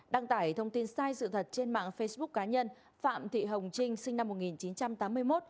đăng tải thông tin sai sự thật trên mạng facebook cá nhân phạm thị hồng trinh sinh năm một nghìn chín trăm tám mươi một